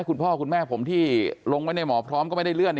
คุณพ่อคุณแม่ผมที่ลงไว้ในหมอพร้อมก็ไม่ได้เลื่อน